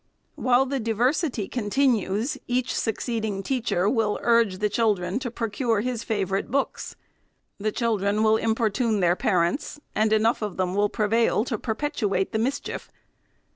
While the diversity continues, each succeeding teacher will urge the children to procure his favorite books ; the .children will importune their parents, and enough of them will prevail to perpetuate the mis chief.